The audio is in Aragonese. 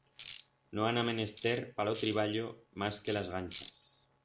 No han a menester pa lo triballo mas que las ganchas.